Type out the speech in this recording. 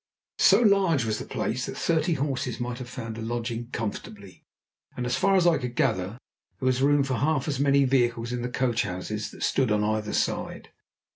So large was the place, that thirty horses might have found a lodging comfortably, and as far as I could gather, there was room for half as many vehicles in the coach houses that stood on either side.